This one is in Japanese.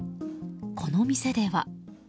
この店では。